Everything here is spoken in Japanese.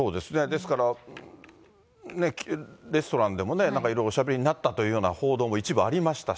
ですから、レストランでも、いろいろおしゃべりになったという報道も一部ありましたし。